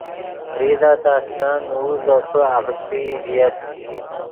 زیزہ تا استرن نوؤ زوپے آغیستئی ڤییت